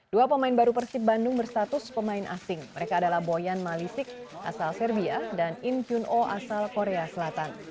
dua pemain baru persib bandung berstatus pemain asing mereka adalah boyan malisik asal serbia dan in kyun o asal korea selatan